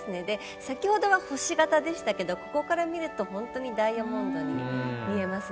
先ほどは星形でしたけどここから見ると本当にダイヤモンドに見えますね